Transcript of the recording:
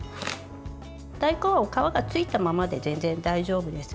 大根は皮がついたままで全然、大丈夫です。